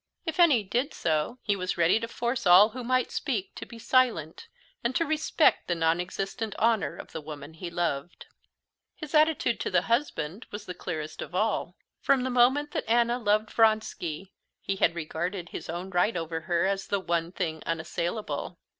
If any did so, he was ready to force all who might speak to be silent and to respect the non existent honor of the woman he loved. His attitude to the husband was the clearest of all. From the moment that Anna loved Vronsky, he had regarded his own right over her as the one thing unassailable.